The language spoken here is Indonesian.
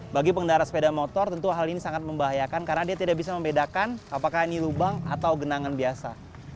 bagi pengendara sepeda motor tentu hal ini sangat membahayakan karena dia tidak bisa membedakan apakah ini lubang atau genangan biasa